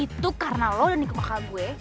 itu karena lo udah nikah kakak gue